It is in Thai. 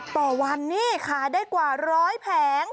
ต่อวันนี่ขายได้กว่าร้อยแผง